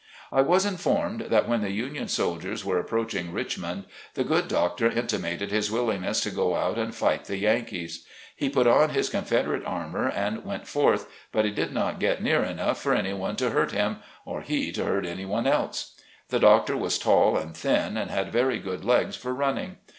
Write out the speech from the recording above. I was informed that when the Union soldiers were approaching Richmond, the good doctor intimated his willingness to go out and fight the Yankees. He put on his confederate armor and went forth, but he did not get near enough for anyone to hurt him, or he to hurt anyone else. The doctor was tall and thin, and had very good legs for running.